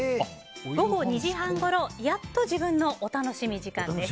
午後２時半ごろやっと自分のお楽しみ時間です。